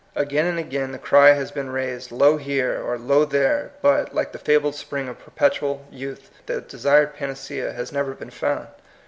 Again and again the cry has been raised, ''Lo here," or "Lo there;" but, like the fabled spring of perpetual youth, the desired panacea has never been found.